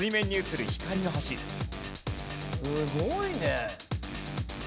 すごいね！